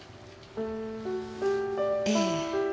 ええ。